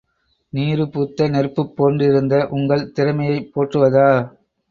நீறுபூத்த நெருப்புப் போன்றிருந்த உங்கள் திறமையைப் போற்றுவதா?